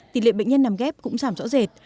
tỷ lệ bệnh nhân nằm ghép cũng giảm rõ rệt